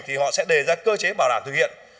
thì họ sẽ đề ra cơ chế bảo đảm thực hiện